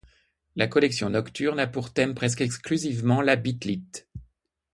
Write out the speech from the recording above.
La Collection Nocturne a pour thème, presque exclusivement, la Bit lit.